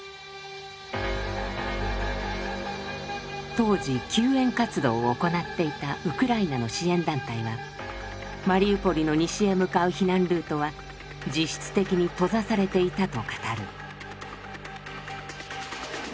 当時救援活動を行っていたウクライナの支援団体はマリウポリの西へ向かう避難ルートは実質的に閉ざされていたと語る。